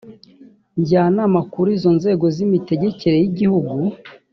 njyanama kuri izo nzego z imitegekere y igihugu